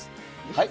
はい？